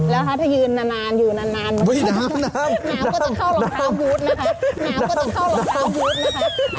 แล้วถ้ายืนนานน้ำก็จะเข้าหล่องท้าวูดนะคะ